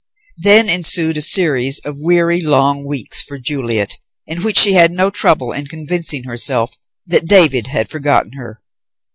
Then ensued a series of weary long weeks for Juliet, in which she had no trouble in convincing herself that David had forgotten her.